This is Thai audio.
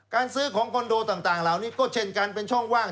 การซื้อของคอนโดต่างเหล่านี้ก็เช่นกันเป็นช่องว่าง